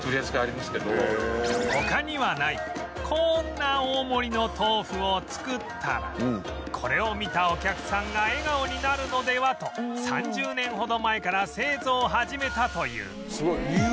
他にはないこんな大盛りの豆腐を作ったらこれを見たお客さんが笑顔になるのではと３０年ほど前から製造を始めたという